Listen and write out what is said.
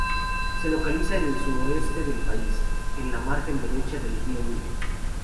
Se localiza en el Suroeste del país, en la margen derecha del río Níger.